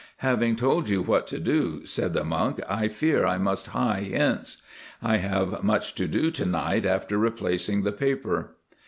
'Having told you what to do,' said the monk, 'I fear I must hie hence. I have much to do to night after replacing the paper.